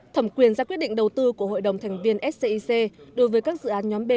thẩm quyền ra quyết định đầu tư của hội đồng thành viên scic đối với các dự án nhóm b